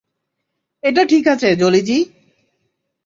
এটা ঠিক আছে, জোলি জি।